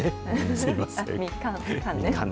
すみません。